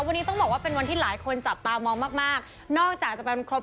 วันนี้ต้องบอกว่าเป็นวันที่หลายคนจับตามองมากมากนอกจากจะเป็นวันครบ